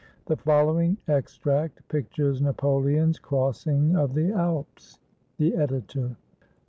The following extract pictures Napoleon's crossing of the Alps. The Editor.